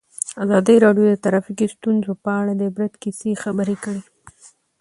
ازادي راډیو د ټرافیکي ستونزې په اړه د عبرت کیسې خبر کړي.